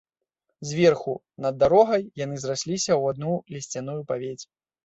Зверху, над дарогай, яны зрасліся ў адну лісцяную павець.